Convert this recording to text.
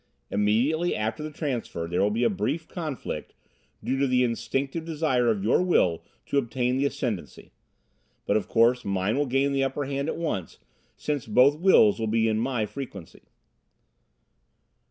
Immediately after the transfer there will be a brief conflict, due to the instinctive desire of your will to obtain the ascendancy. But of course mine will gain the upper hand at once, since both wills will be in my frequency."